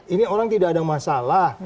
ini orang tidak ada masalah